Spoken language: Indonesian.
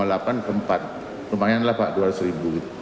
lumayan lah pak dua ratus ribu